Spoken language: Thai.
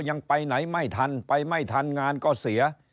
ยังไปไหนไม่ทันไปไม่ทันงานก็เสีย